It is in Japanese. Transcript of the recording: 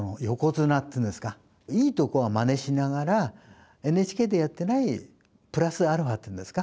いいとこはマネしながらＮＨＫでやってないプラスアルファっていうんですか。